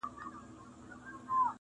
كوم خوشال به لړزوي په كټ كي زړونه-